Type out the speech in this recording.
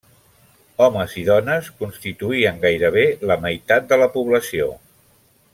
Homes i dones constituïen gairebé la meitat de la població.